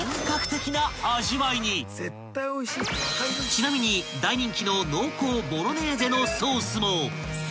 ［ちなみに大人気の濃厚ボロネーゼのソースも］